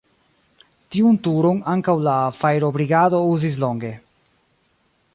Tiun turon ankaŭ la fajrobrigado uzis longe.